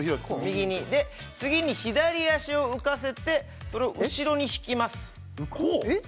右にで次に左足を浮かせてそれを後ろに引きますこう？